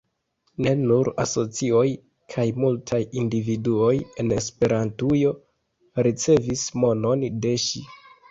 Ne nur asocioj kaj multaj individuoj en Esperantujo ricevis monon de ŝi.